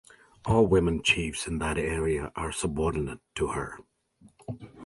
All women Chiefs in that area are subordinate to her.